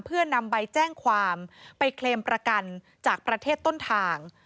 เพื่อนำใบแจ้งความไปเคลมประกันจากประเทศต้นทาง